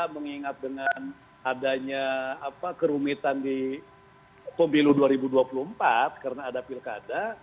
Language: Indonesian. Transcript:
mengingat dengan adanya kerumitan di pemilu dua ribu dua puluh empat karena ada pilkada